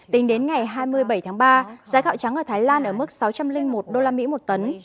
tính đến ngày hai mươi bảy tháng ba giá gạo trắng ở thái lan ở mức sáu trăm linh một usd một tấn